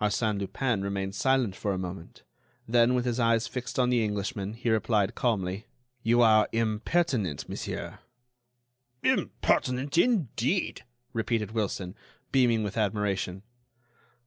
Arsène Lupin remained silent for a moment; then, with his eyes fixed on the Englishman, he replied, calmly: "You are impertinent, monsieur." "Impertinent, indeed!" repeated Wilson, beaming with admiration.